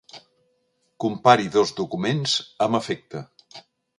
Compari dos documents amb afecte.